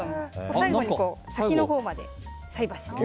最後に先のほうまで菜箸で。